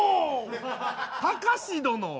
たかし殿は。